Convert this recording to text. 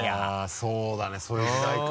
そうだねそういう時代か。